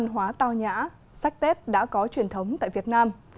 như một nét văn hóa tàu nhã sách tết đã có truyền thống tại việt nam